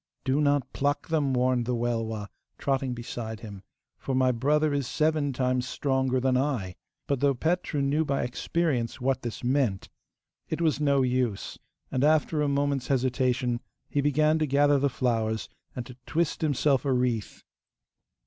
'Do not pluck them,' warned the Welwa, trotting beside him, 'for my brother is seven times stronger than I'; but though Petru knew by experience what this meant, it was no use, and after a moment's hesitation he began to gather the flowers, and to twist himself a wreath.